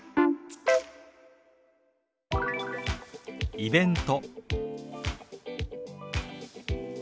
「イベント」。